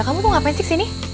kamu kok ngapain sih kesini